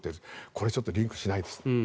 これはちょっとリンクしないです。